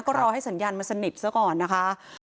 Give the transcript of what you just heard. ก็รอให้สัญญาณมันสนิทซะก่อนนะคะ